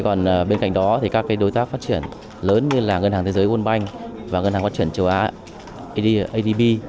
còn bên cạnh đó thì các đối tác phát triển lớn như là ngân hàng thế giới world bank và ngân hàng phát triển châu á ad adb